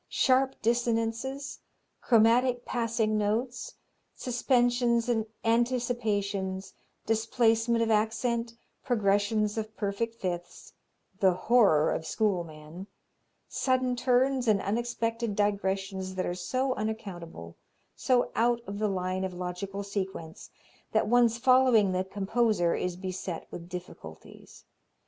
Sharp dissonances, chromatic passing notes, suspensions and anticipations, displacement of accent, progressions of perfect fifths the horror of schoolmen sudden turns and unexpected digressions that are so unaccountable, so out of the line of logical sequence, that one's following the composer is beset with difficulties.